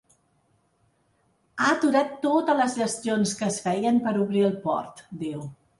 Ha aturat totes les gestions que es feien per obrir el port, diu.